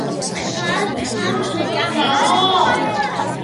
თხა თხამ შეჭამაო